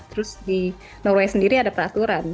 terus di norway sendiri ada peraturan